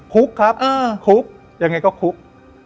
คุกครับคุกยังไงก็คุก